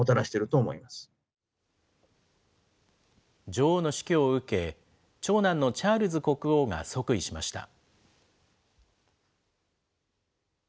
女王の死去を受け、長男のチャールズ国王が即位しました。